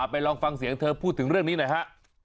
ลองฟังเสียงเธอพูดถึงเรื่องนี้หน่อยฮะ